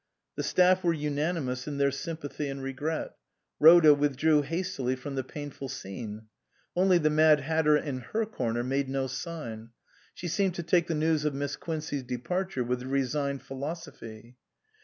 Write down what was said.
The staff were unani mous in their sympathy and regret. Rhoda withdrew hastily from the painful scene. Only the Mad Hatter in her corner made no sign. She seemed to take the news of Miss Quincey's departure with a resigned philosophy.